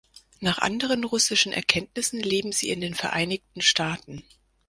Nach anderen russischen Erkenntnissen leben sie in den Vereinigten Staaten.